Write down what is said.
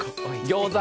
ギョーザ！